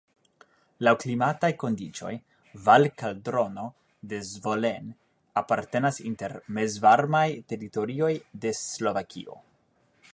Laŭ klimataj kondiĉoj Valkaldrono de Zvolen apartenas inter mezvarmaj teritorioj de Slovakio.